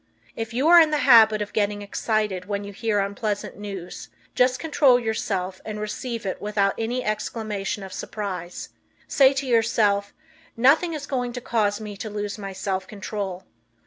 If you are in the habit of getting excited when you hear unpleasant news, just control yourself and receive it without any exclamation of surprise. Say to yourself, "Nothing is going to cause me to lose my self control.